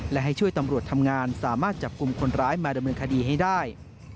และให้ช่วยตำรวจทำงานสามารถจับกลุ่มคนร้ายมาดำเนินคดีให้ได้